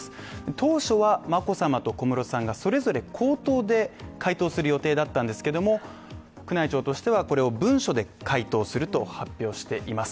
当初は眞子さまと小室さんがそれぞれ口頭で回答する予定だったんですけど宮内庁としてはこれを文書で発表するとしています。